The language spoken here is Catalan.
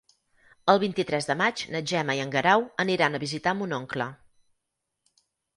El vint-i-tres de maig na Gemma i en Guerau aniran a visitar mon oncle.